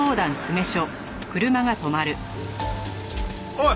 おい。